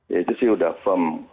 itu sih sudah firm